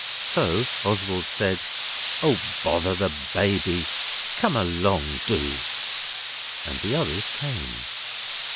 So Oswald said 'Oh, bother the Baby! Come along, do!' And the others came.